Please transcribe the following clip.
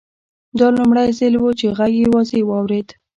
دا لومړی ځل و چې غږ یې واضح واورېد